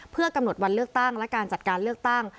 เพื่อกำหนดวันเลือกตั้งและการจัดการเลือกตั้ง